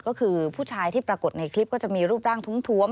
ก็คือผู้ชายที่ปรากฏในคลิปก็จะมีรูปร่างท้วม